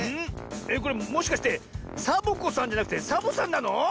これもしかしてサボ子さんじゃなくてサボさんなの？